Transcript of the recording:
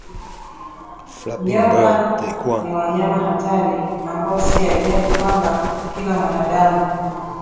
Nyoka ni wanyama hatari ambao si ajabu kwamba kila mwanadamu